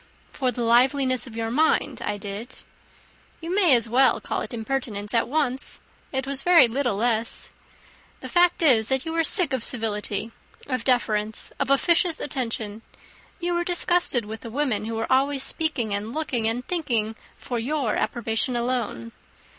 "For the liveliness of your mind I did." "You may as well call it impertinence at once. It was very little less. The fact is, that you were sick of civility, of deference, of officious attention. You were disgusted with the women who were always speaking, and looking, and thinking for your approbation alone.